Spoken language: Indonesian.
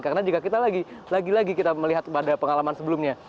karena jika kita lagi lagi melihat pada pengalaman sebelumnya